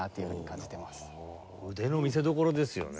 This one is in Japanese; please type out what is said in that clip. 腕の見せどころですよね。